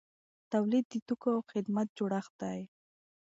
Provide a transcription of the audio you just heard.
تولید د توکو او خدماتو جوړښت دی.